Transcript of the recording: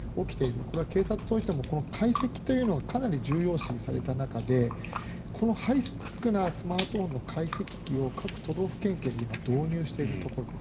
これは警察においても解析というのがかなり重要視された中でこのハイスペックなスマートフォンの解析機を各都道府県警に今、導入しているところです。